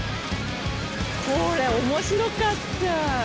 これ面白かった。